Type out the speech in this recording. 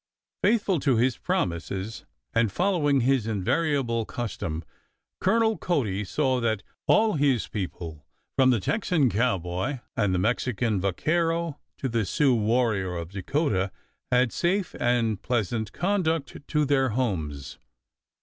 Faithful to his promises, and following his invariable custom, Colonel Cody saw that all his people, from the Texan cowboy and the Mexican vacquero to the Sioux warrior of Dakota, had safe and pleasant conduct to their homes.